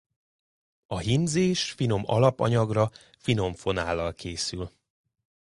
A hímzés finom alapanyagra finom fonállal készül.